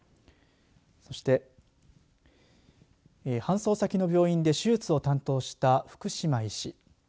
そして搬送先の病院で手術を担当した福島医師。